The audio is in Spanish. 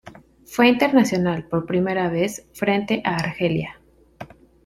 Fue internacional, por primera vez, frente a Argelia.